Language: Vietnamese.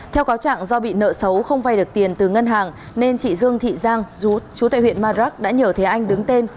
theo cáo trạng do bị nợ xấu không vay được tiền từ ngân hàng nên chị dương thị giang chú tại huyện madrak đã nhờ thế anh đứng tên